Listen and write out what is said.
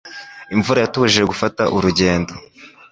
Imvura yatubujije gufata urugendo.